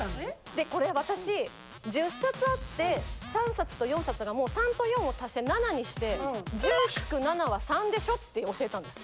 でこれ私１０冊あって３冊と４冊がもう３と４を足して７にして１０−７は３でしょ？って教えたんです。